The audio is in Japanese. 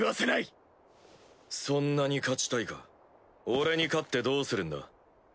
そんなに勝ちたいか俺に勝ってどうするんだ？